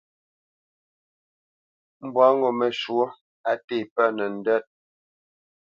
Mbwâ ŋo məshwɔ̌ á té pə nəndwə́t.